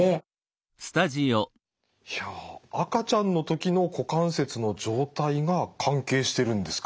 いや赤ちゃんの時の股関節の状態が関係してるんですか。